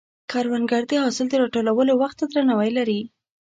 کروندګر د حاصل د راټولولو وخت ته درناوی لري